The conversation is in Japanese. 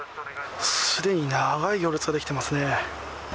すでに長い行列が出来てます